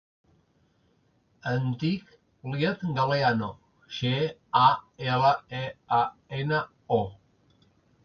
Em dic Iyad Galeano: ge, a, ela, e, a, ena, o.